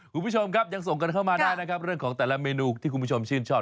คุณผู้ชมครับยังส่งกันเข้ามาได้นะครับเรื่องของแต่ละเมนูที่คุณผู้ชมชื่นชอบ